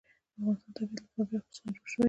د افغانستان طبیعت له فاریاب څخه جوړ شوی دی.